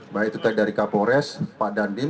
baik itu tadi dari kapolres pak dandim